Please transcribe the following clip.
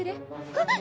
えっ⁉